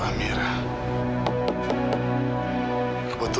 aku akan mencari tahu